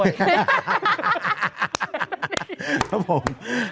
ครับผม